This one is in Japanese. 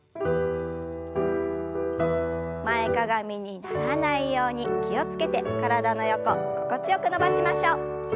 前かがみにならないように気を付けて体の横心地よく伸ばしましょう。